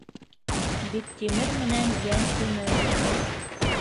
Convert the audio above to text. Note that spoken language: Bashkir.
Биктимер менән Йәнтимер...